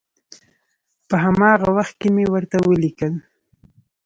په هماغه وخت کې مې ورته ولیکل.